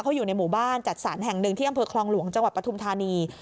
เขาอยู่ในหมู่บ้านจัดสรรแห่งหนึ่งที่อำเภอคลองหลวงจังหวัดปฐุมธานี